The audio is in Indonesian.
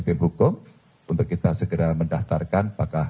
yalah virgin curiosity menggunakan